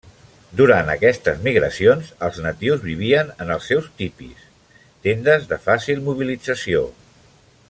Durant aquestes migracions els natius vivien en els seus tipis, tendes de fàcil mobilització.